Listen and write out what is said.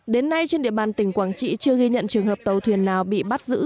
đến nay trên địa bàn tỉnh quảng trị chưa ghi nhận trường hợp tàu thuyền nào bị bắt giữ